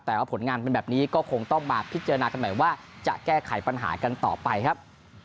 แต่ว่าผลงานเป็นแบบนี้ก็คงต้องมาพิจารณากันใหม่ว่าจะแก้ไขปัญหากันต่อไปครับ